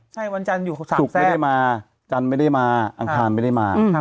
ใช่วันจันทร์อยู่๓ศุกร์ไม่ได้มาจันทร์ไม่ได้มาอังคารไม่ได้มา